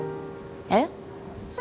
えっ？